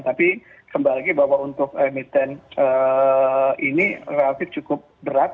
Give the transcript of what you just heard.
tapi kembali lagi bahwa untuk emiten ini relatif cukup berat